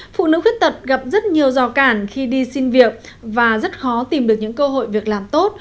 phụ nữ khuyết tật gặp rất nhiều rào cản khi đi xin việc và rất khó tìm được những cơ hội việc làm tốt